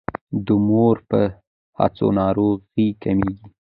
د مور په هڅو ناروغۍ کمیږي.